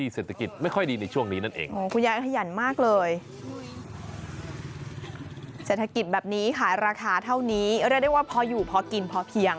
เศรษฐกิจแบบนี้ค่ะราคาเท่านี้เรียกได้ว่าพออยู่พอกินพอเพียง